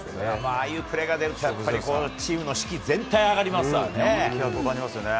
ああいうプレーが出るとやっぱり、チームの士気、全体が上がりますよね。